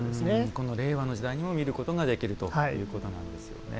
この令和の時代にも見ることができるということなんですよね。